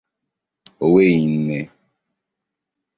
O nweghị nne